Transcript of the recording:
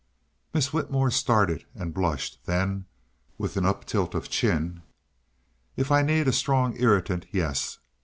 Miss Whitmore started and blushed, then, with an uptilt of chin: "If I need a strong irritant, yes!"